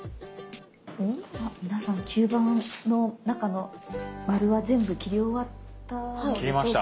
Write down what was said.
あ皆さん吸盤の中の丸は全部切り終わったのでしょうか？